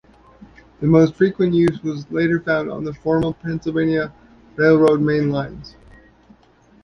The most frequent use was later found on the former Pennsylvania Railroad main lines.